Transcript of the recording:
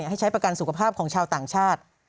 ให้ใช้ประกันสุขภาพของชาวต่างชาติ